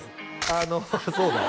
あのそうだ